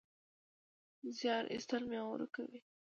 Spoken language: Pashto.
زیار ایستل مېوه ورکوي